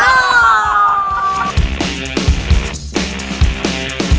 kalau kita gerak motionnya aja kan